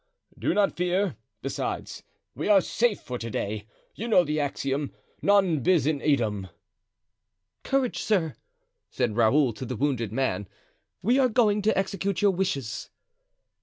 "Do not fear. Besides, we are safe for to day; you know the axiom, 'Non bis in idem.'" "Courage, sir," said Raoul to the wounded man. "We are going to execute your wishes."